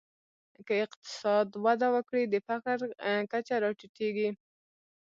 که اقتصاد وده وکړي، د فقر کچه راټیټېږي.